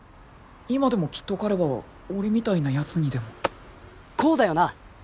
今でもきっと彼は俺みたいなやつにでもコウだよな？